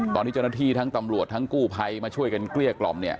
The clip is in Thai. ตอนที่เจ้าหน้าที่ทั้งตำรวจทั้งกู้ภัยมาช่วยกันเกลี้ยกล่อมเนี่ย